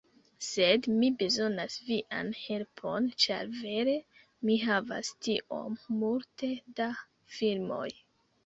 Sed, mi bezonas vian helpon, ĉar vere mi havas tiom multe da filmoj.